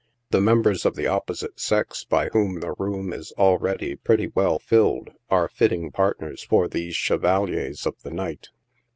The members of the opposite sex, by whom the room is already pretty well filled, are fitting partners for these chevaliers of the night.